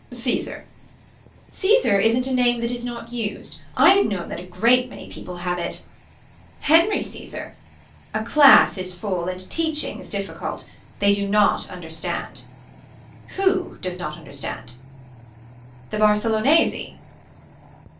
Caesar. Caesar isn't a name that is not used. I have known that a great many people have it. Henry Caesar. A class is full and teaching is difficult. They do not understand. Who does not understand. The Barcelonese.